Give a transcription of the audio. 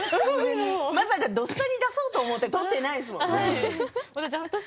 まさか「土スタ」に出そうと思って撮っていないですものね。